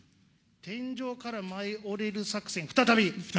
天井から舞い降りる作戦再び。